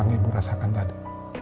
yang ibu rasakan tadi